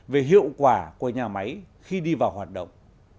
về hiệu quả của nhà máy khi đi vào hoạt động